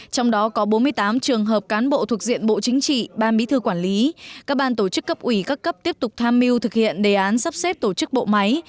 trong đó có bốn mươi tám trường hợp cán bộ thuộc diện bộ chính trị ban bí thư quản lý các ban tổ chức cấp ủy các cấp tiếp tục tham mưu thực hiện đề án sắp xếp tổ chức bộ máy